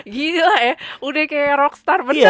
gila ya udah kayak rockstar bener gak tau